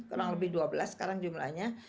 kurang lebih dua belas sekarang jumlahnya